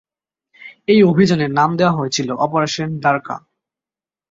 এই অভিযানের নাম দেওয়া হয়েছিল অপারেশন দ্বারকা।